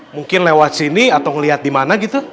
mungkin lewat sini atau ngeliat dimana gitu